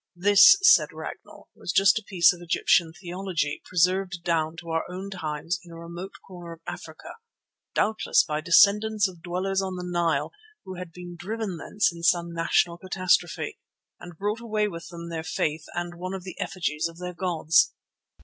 This, said Ragnall, was just a piece of Egyptian theology, preserved down to our own times in a remote corner of Africa, doubtless by descendants of dwellers on the Nile who had been driven thence in some national catastrophe, and brought away with them their faith and one of the effigies of their gods.